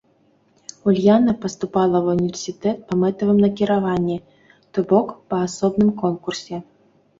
Ульяна паступала ва універсітэт па мэтавым накіраванні, то бок па асобным конкурсе.